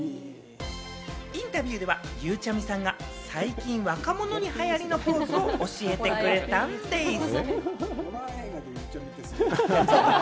インタビューでは、ゆうちゃみさんが最近、若者に流行のポーズを教えてくれたんでぃす。